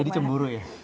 jadi cemburu ya